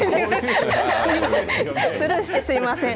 スルーしてすいません。